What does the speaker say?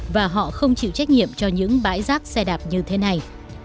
và họ không chịu trách nhiệm cho những bãi rác xe đạp như thế này